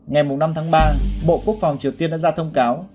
ngày năm tháng ba bộ quốc phòng triều tiên đã ra thông cáo